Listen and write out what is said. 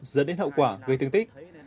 dẫn đến hậu quả gây thương tích